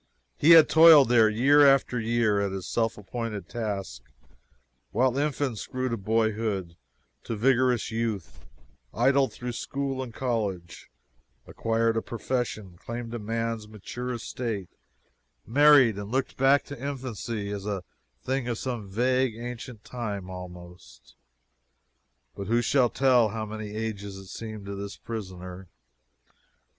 He had toiled there year after year, at his self appointed task, while infants grew to boyhood to vigorous youth idled through school and college acquired a profession claimed man's mature estate married and looked back to infancy as to a thing of some vague, ancient time, almost. But who shall tell how many ages it seemed to this prisoner?